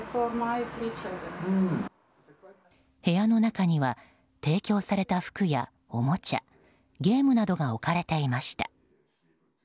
部屋の中には提供された服やおもちゃゲームなどが置かれていました。